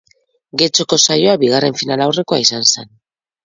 Getxoko saioa bigarren finalaurrekoa izan zen.